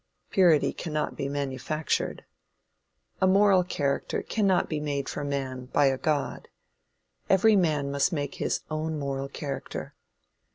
Purity cannot be manufactured. A moral character cannot be made for man by a god. Every man must make his own moral character.